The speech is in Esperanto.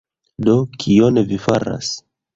Do, kion vi faras?